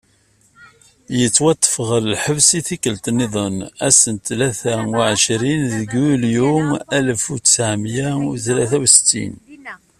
Yettwaṭṭef ɣer lḥebs i tikkelt-nniden ass n tlata u εecrin deg yunyu alef u tesεemya u tlata u settin.